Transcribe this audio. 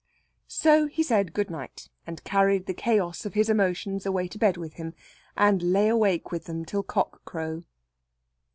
So he said good night, and carried the chaos of his emotions away to bed with him, and lay awake with them till cock crow.